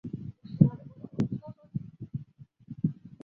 普卢埃斯卡。